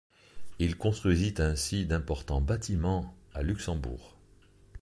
Il construisit ainsi d'importants bâtiments à Luxembourg.